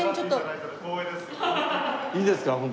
いいですか？